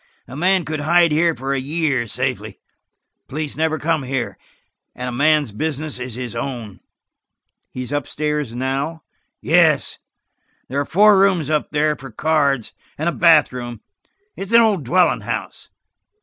A man could hide here for a year safely. The police never come here, and a man's business is his own." "He is up stairs now?" "Yes. There are four rooms up there for cards, and a bath room. It's an old dwelling house.